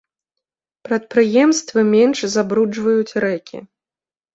Прадпрыемствы менш забруджваюць рэкі.